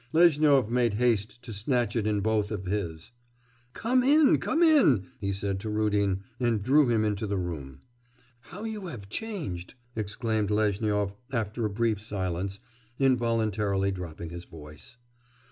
Lezhnyov made haste to snatch it in both of his. 'Come, come in!' he said to Rudin, and drew him into the room. 'How you have changed!' exclaimed Lezhnyov after a brief silence, involuntarily dropping his voice.